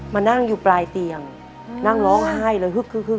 มานั่งอยู่ปลายเตียงนั่งร้องไห้เลยฮึก